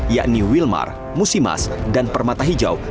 yakni wilmar musimas dan permata hijau